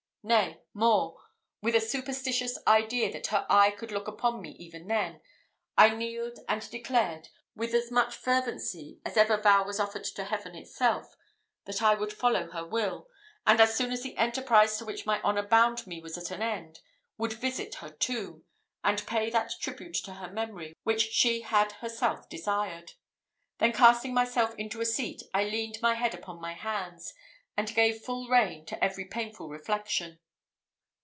Nay, more! with a superstitious idea that her eye could look upon me even then, I kneeled and declared, with as much fervency as ever vow was offered to Heaven itself, that I would follow her will; and as soon as the enterprise to which my honour bound me was at an end, would visit her tomb, and pay that tribute to her memory which she had herself desired. Then casting myself into a seat, I leaned my head upon my hands, and gave full rein to every painful reflection.